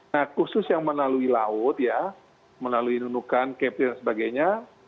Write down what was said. nah khusus yang melalui laut ya melalui nunukan kepri dan sebagainya